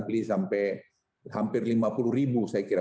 beli sampai hampir lima puluh ribu saya kira